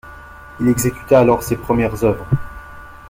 Il exécuta alors ses premières œuvres.